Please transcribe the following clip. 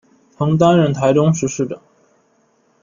曾担任台中市市长。